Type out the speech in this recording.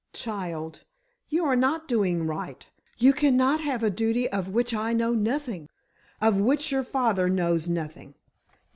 "Child, you are not doing right! You cannot have a duty of which I know nothing! Of which your father knows nothing!